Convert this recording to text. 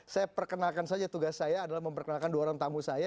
saya perkenalkan saja tugas saya adalah memperkenalkan dua orang tamu saya